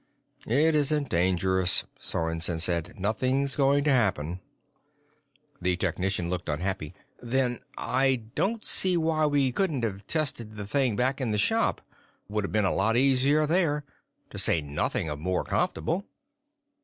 "It isn't dangerous," Sorensen said. "Nothing's going to happen." The technician looked unhappy. "Then I don't see why we couldn't've tested the thing back in the shop. Would've been a lot easier there. To say nothing of more comfortable."